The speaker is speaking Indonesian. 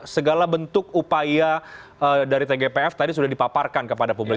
segala bentuk upaya dari tgpf tadi sudah dipaparkan kepada publik